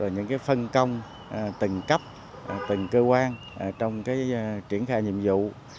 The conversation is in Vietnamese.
những phân công từng cấp từng cơ quan trong triển khai nhiệm vụ